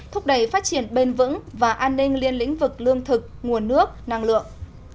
thúc đẩy phát triển bền vững và an ninh liên lĩnh vực lương thực nguồn nước năng lượng